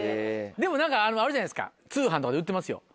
でもあるじゃないですか通販とかで売ってますよ。